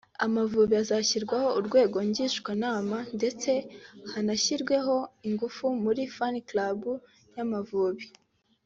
Amavubi azashyirirwaho urwego ngishwanama ndetse hanashyirwe ingufu muri Fan Club y'Amavubi